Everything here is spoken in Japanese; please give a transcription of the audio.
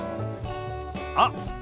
あっ！